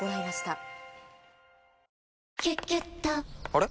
あれ？